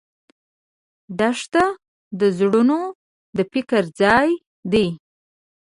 دښته د زړونو د فکر ځای دی.